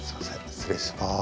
失礼します。